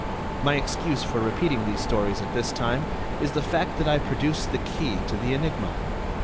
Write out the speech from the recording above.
My excuse for repeating these stories at this time is the fact that I produce the key to the enigma.